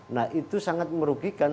nah itu sangat merugikan